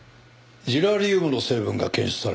ジラリウムの成分が検出された。